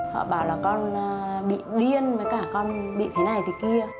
họ bảo là con bị điên mà con bị thế này thế kia